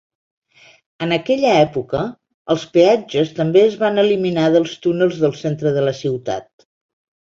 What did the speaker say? En aquella època, els peatges també es van eliminar dels túnels del centre de la ciutat.